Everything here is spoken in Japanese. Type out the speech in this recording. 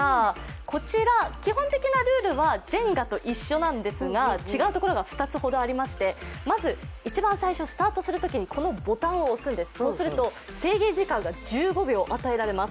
こちら基本的なルールはジェンガと一緒なんですが、違うところが２つほどありまして一番、最初、スタートするときにこのボタンを押すんです、そうすると制限時間が１５秒与えられます。